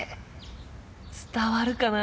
伝わるかな？